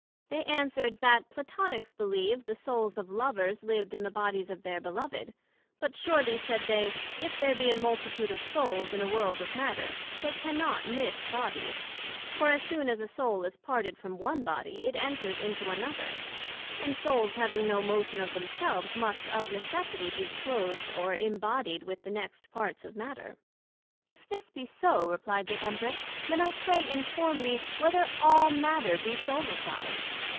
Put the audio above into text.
They answered, That Platonicks believed, the Souls of Lovers lived in the Bodies of their Beloved, but surely, said they, if there be a multitude of Souls in a World of Matter, they cannot miss Bodies; for as soon as a Soul is parted from one Body, it enters into another; and Souls having no motion of themselves, must of necessity be clothed or imbodied with the next parts of Matter. If this be so, replied the Empress, then I pray inform me, Whether all matter be soulified?